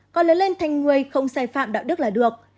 còn lớn lên thành người không sai phạm đạo đức là được